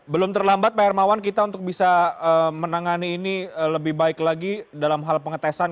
belum terlambat pak hermawan kita untuk bisa menangani ini lebih baik lagi dalam hal pengetesan